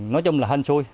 nói chung là hên xui